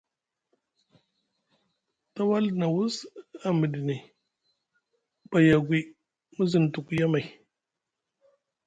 Tawaldi na wus a miɗini Baya agwi, mu zinutuku yamay.